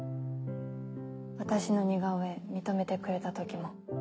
私の似顔絵認めてくれた時も。